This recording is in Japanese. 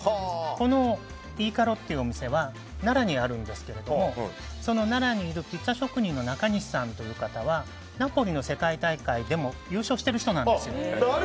このＩＣＡＲＯというお店は奈良にあるんですがその奈良にいるピッツァ職人のナカニシさんという方はナポリの世界大会でも優勝してる人なんです。